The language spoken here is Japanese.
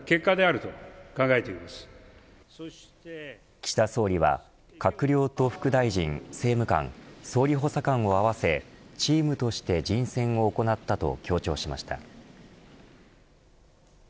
岸田総理は閣僚と副大臣政務官、総理補佐官を合わせチームとして人選を行ったと強調しました。